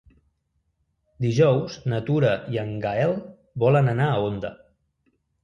Dijous na Tura i en Gaël volen anar a Onda.